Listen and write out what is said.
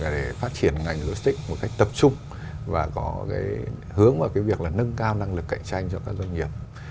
để phát triển ngành logistics một cách tập trung và có hướng vào việc nâng cao năng lực cạnh tranh cho các doanh nghiệp